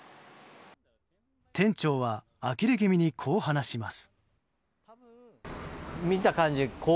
店長は、あきれ気味にこう話します。